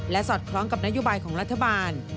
สอดคล้องกับนโยบายของรัฐบาล